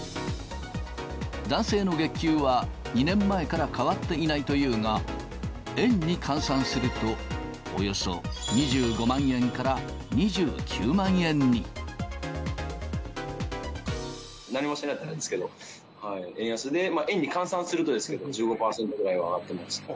男性の月給は、２年前から変わっていないというが、円に換算すると、およそ２５万円から２９万円に。何もしなくても、円安で、円に換算するとですけど、１５％ぐらいは上がってます。